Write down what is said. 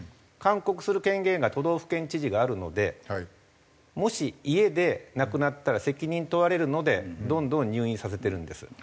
勧告する権限が都道府県知事にあるのでもし家で亡くなったら責任問われるのでどんどん入院させてるんです。